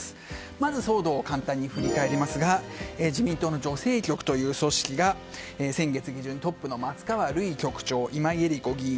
まず、騒動を簡単に振り返りますが自民党の女性局という組織が先月下旬トップの松川るい局長今井絵理子議員